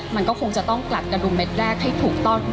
มันก็คงจะต้องกลัดกระดุมเม็ดแรกให้ถูกต้อง